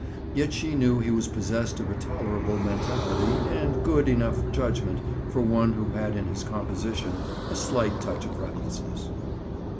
Yet she knew he was possessed of a tolerable mentality and a good enough judgment for one who had in his composition a slight touch of recklessness.